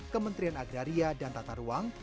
kementerian agraria dan tata ruang